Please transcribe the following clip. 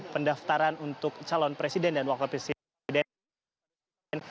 pendaftaran untuk calon presiden dan wakil presiden